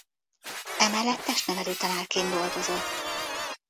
Emellett testnevelő tanárként dolgozott.